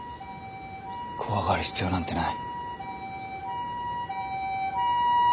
怖がる必要なんてない。